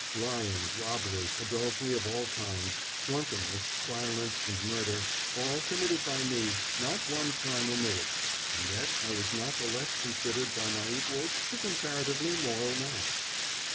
Lying, robbery, adultery of all kinds, drunkenness, violence, and murder, all committed by me, not one crime omitted, and yet I was not the less considered by my equals a comparatively moral man."